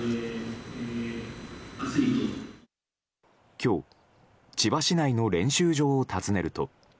今日、千葉市内の練習場を訪ねると。